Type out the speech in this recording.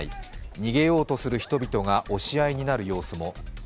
逃げようとする人々が押し合いになる様子も。